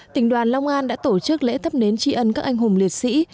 tỉnh đoàn long an đã tổ chức lễ thắp nến tri ân các anh hùng liệt sĩ